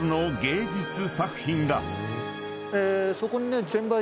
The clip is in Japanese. そこにね。